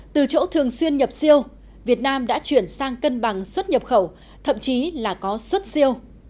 từ chỗ thường xuyên nhập siêu việt nam đã chuyển sang cân bằng xuất nhập khẩu thậm chí là có xuất siêu